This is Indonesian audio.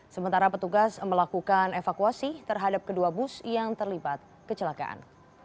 sementara petugas melakukan evakuasi terhadap kedua bus yang terlibat kecelakaan